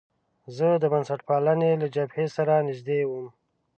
زه د بنسټپالنې له جبهې سره نژدې وم.